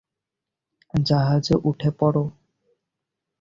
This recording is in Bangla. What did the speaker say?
জাহাজে উঠে পড়ো।